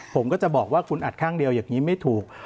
ผมก็จะบอกว่าคุณอัดข้างเดียวอย่างนี้ไม่ถูก